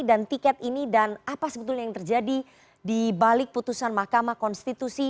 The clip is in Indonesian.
dan tiket ini dan apa sebetulnya yang terjadi di balik putusan mahkamah konstitusi